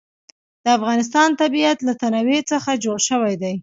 د افغانستان طبیعت له تنوع څخه جوړ شوی دی.